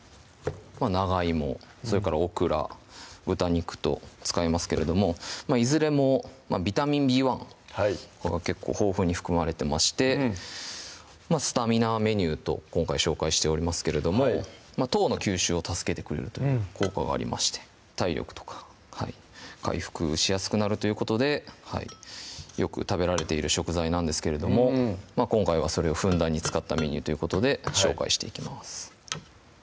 長いもそれからオクラ・豚肉と使いますけれどもいずれもビタミンはい結構豊富に含まれてまして「スタミナメニュー」と今回紹介しておりますけれども糖の吸収を助けてくれるという効果がありまして体力とか回復しやすくなるということでよく食べられている食材なんですけれども今回はそれをふんだんに使ったメニューということで紹介していきます